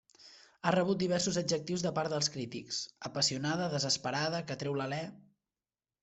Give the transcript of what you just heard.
Ha rebut diversos adjectius de part dels crítics: apassionada, desesperada, que treu l'alè.